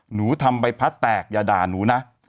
หนูทำใบพัดแตกอย่าด่าหนูนะ